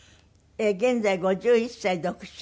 現在５１歳独身。